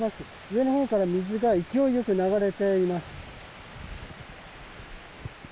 上のほうから水が勢いよく流れています。